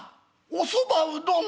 「おそばうどん？